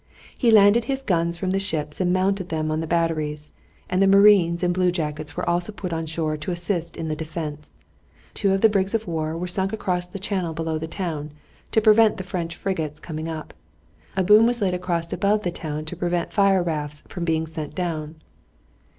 He landed his guns from the ships and mounted them on the batteries, and the marines and blue jackets were also put on shore to assist in the defense. Two of the brigs of war were sunk across the channel below the town to prevent the French frigates coming up. A boom was laid across above the town to prevent fire rafts from being sent down.